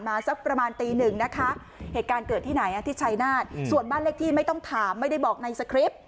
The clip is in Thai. สักประมาณตีหนึ่งนะคะเหตุการณ์เกิดที่ไหนที่ชัยนาศส่วนบ้านเลขที่ไม่ต้องถามไม่ได้บอกในสคริปต์